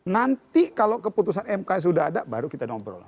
nanti kalau keputusan mk sudah ada baru kita ngobrol